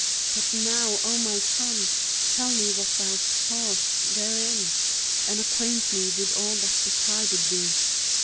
But now, O my son, tell me what thou sawest therein and acquaint me with all that betided thee.'